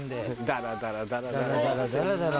ダラダラダラダラ。